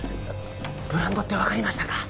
ブランドって分かりましたか？